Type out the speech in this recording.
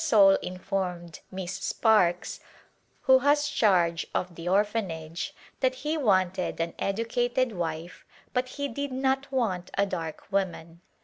Soule in formed Miss Sparkes, who has charge of the Orphan age, that he wanted an educated wife but he did not want a dark woman.